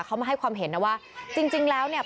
เขามาให้ความเห็นนะว่าจริงแล้วเนี่ย